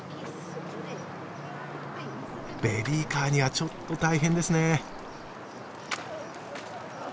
ベビーカーにはちょっと大変ですね。